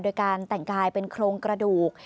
โดยการแต่งกายเป็นโครงกระดูก